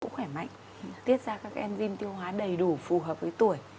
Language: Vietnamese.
khỏe mạnh tiết ra các gen tiêu hóa đầy đủ phù hợp với tuổi